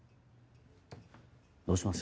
どうします？